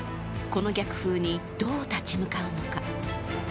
この逆風にどう立ち向かうのか。